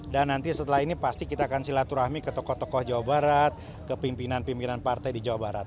nanti setelah ini pasti kita akan silaturahmi ke tokoh tokoh jawa barat ke pimpinan pimpinan partai di jawa barat